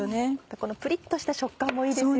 このプリっとした食感もいいですよね。